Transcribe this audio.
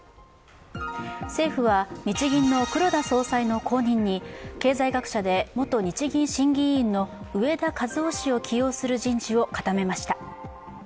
政府は日銀の黒田総裁の後任に経済学者で元日銀審議委員の植田和男氏を起用する人事を固めました。